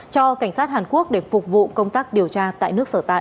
cho cảnh sát hàn quốc để phục vụ công tác điều tra tại nước sở tại